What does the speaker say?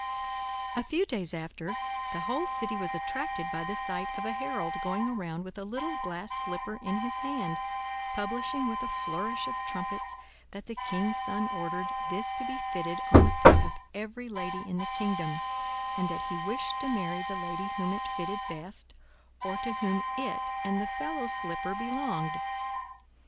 A few days after, the whole city was attracted by the sight of a herald going round with a little glass slipper in his hand, publishing with a flourish of trumpets, that the king's son ordered this to be fitted on the foot of every lady in the kingdom, and that he wished to marry the lady whom it fitted best, or to whom it and the fellow slipper belonged.